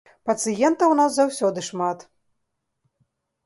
Пацыентаў у нас заўсёды шмат.